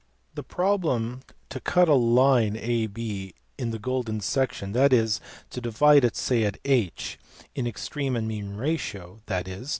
The problem to cut a line AB in the golden section, A H ./ B that is, to divide it, say at H, in extreme and mean ratio (i.e.